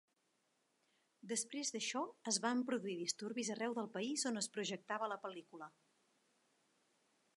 Després d'això, es van produir disturbis arreu del país on es projectava la pel·lícula.